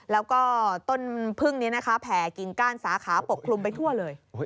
แล้วก็ต้นพึ่งนี้นะคะแผ่กิ่งก้านสาขาปกคลุมไปทั่วเลย